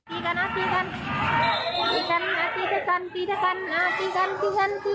โอ๊ะหาชวนไม่ยิ่งหรอกศัตรูดันนี่